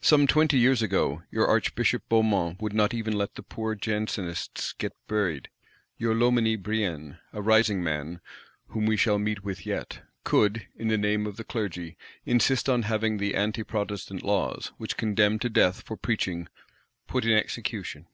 Some twenty years ago, your Archbishop Beaumont would not even let the poor Jansenists get buried: your Loménie Brienne (a rising man, whom we shall meet with yet) could, in the name of the Clergy, insist on having the Anti protestant laws, which condemn to death for preaching, "put in execution."